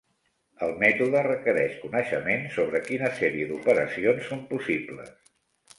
El mètode requereix coneixements sobre quina sèrie d'operacions són possibles.